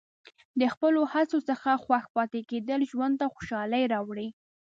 د خپلو هڅو څخه خوښ پاتې کېدل ژوند ته خوشحالي راوړي.